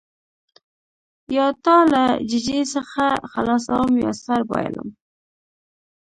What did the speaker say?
یا تا له ججې څخه خلاصوم یا سر بایلم.